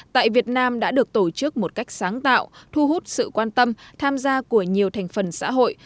tại việt nam đã được tổ chức một cách sáng tạo thu hút sự quan tâm tham gia của nhiều thành phần xã hội